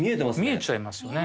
見えちゃいますよね。